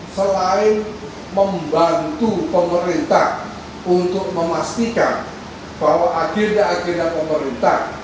selain membantu pemerintah untuk memastikan bahwa agenda agenda pemerintah